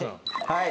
はい。